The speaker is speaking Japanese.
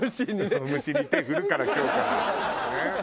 虫に手振るから今日から。